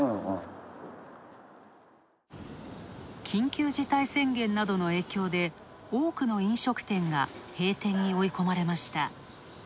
緊急事態宣言などの影響で、多くの飲食店が閉店に追い込まれました。